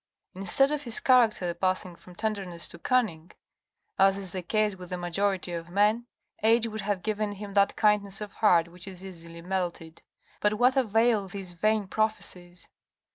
Instead of his character passing from tenderness to cunning, as is the case with the majority of men, age would have given him that kindness of heart which is easily melted .... but what avail these vain prophecies.